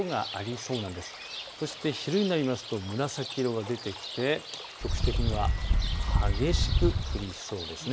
そして昼になりますと紫色が出てきて局地的には激しく降りそうです。